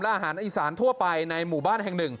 และอาหารอีสานทั่วไปในหมู่บ้านแห่ง๑